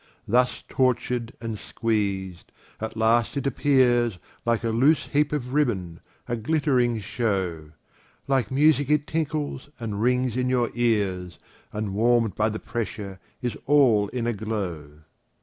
Thus tortured and squeezed, at last it appears Like a loose heap of ribbon, a glittering show, Like music it tinkles and rings in your ears, And warm'd by the pressure is all in a glow.